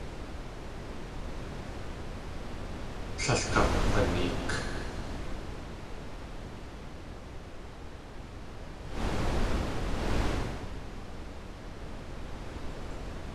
Tlél akakg̲waneek.